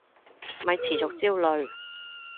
咪持續焦慮